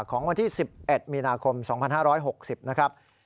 ของวันที่๑๑มีนาคม๒๕๖๐นะครับ